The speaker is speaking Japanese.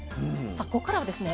さあこっからはですね